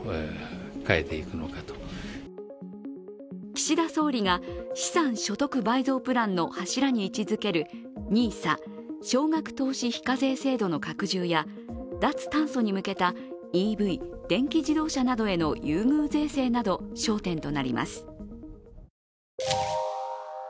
岸田総理が資産所得倍増プランの柱に位置づけるＮＩＳＡ＝少額投資非課税制度の拡充や脱炭素に向けたＥＶ＝電気自動車などへの優遇税制など焦点となります。